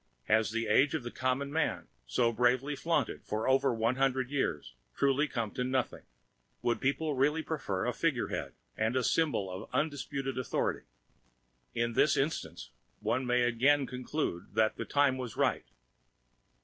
Has the age of the Common Man, so bravely flaunted for over one hundred years, truly come to nothing? Would people really prefer a figurehead and a symbol of undisputed authority? In this instance, one may again conclude that "the time was right."